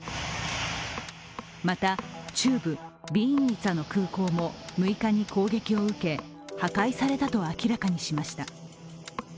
また、中部ヴィーンヌィツャの空港も６日に攻撃を受け破壊されたと明らかにしました。